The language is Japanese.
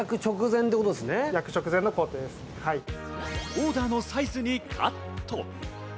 オーダーのサイズにカット。